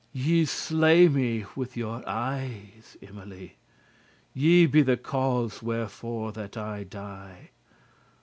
<31> Ye slay me with your eyen, Emily; Ye be the cause wherefore that I die.